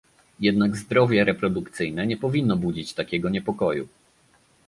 Jednak zdrowie reprodukcyjne nie powinno budzić takiego niepokoju